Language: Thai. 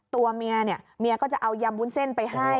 ตัวเมียก็จะเอายำบุญเส้นไปให้